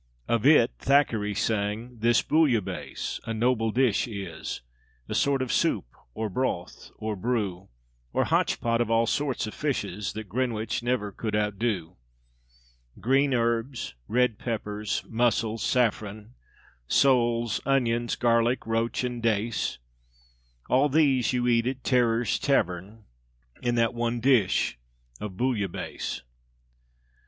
_ Of it Thackeray sang "This Bouillabaisse a noble dish is A sort of soup, or broth, or brew, Or hotch potch of all sorts of fishes That Greenwich never could outdo: Green herbs, red peppers, mussels, saffron, Soles, onions, garlic, roach, and dace; All these you eat at Terré's tavern, In that one dish of Bouillabaisse."